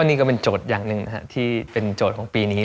นี่ก็เป็นโจทย์อย่างหนึ่งที่เป็นโจทย์ของปีนี้